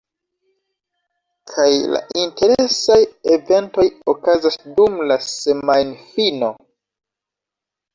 Kaj la interesaj eventoj okazas dum la semajnfino